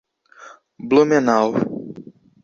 Blumenau